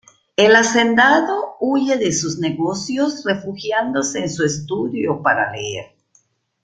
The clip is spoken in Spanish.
El hacendado huye de sus negocios refugiándose en su estudio para leer.